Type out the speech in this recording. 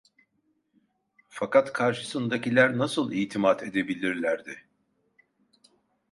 Fakat karşısındakiler nasıl itimat edebilirlerdi?